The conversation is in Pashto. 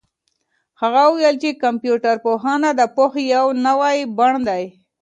هغه وویل چي کمپيوټر پوهنه د پوهې یو نوی بڼ دی.